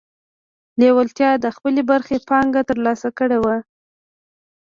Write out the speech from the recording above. لېوالتیا د خپلې برخې پانګه ترلاسه کړې وه.